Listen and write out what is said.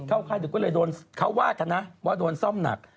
เข้าค่ายดึกก็เลยโดนเขาวาดแล้วนะว่าโดนซ่อมหนัก